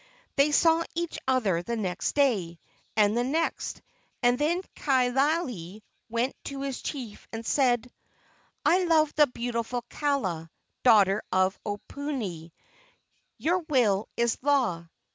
They saw each other the next day, and the next, and then Kaaialii went to his chief and said: "I love the beautiful Kaala, daughter of Oponui. Your will is law.